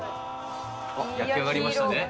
焼き上がりましたね。